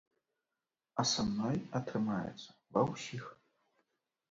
А са мной атрымаецца ва ўсіх.